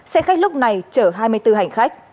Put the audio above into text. xe khách lúc này chở hai mươi bốn hành khách